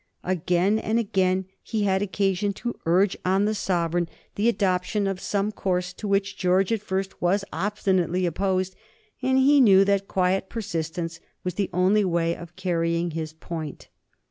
Again and again he had had occasion to urge on the sovereign the adoption of some course to which George, at first, was obstinately opposed, and he knew that quiet persistence was the only way of carrying his point.